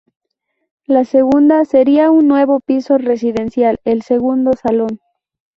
La segunda, sería un nuevo piso residencial, el segundo salón.